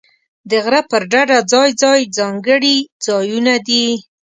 د غره پر ډډه ځای ځای ځانګړي ځایونه دي.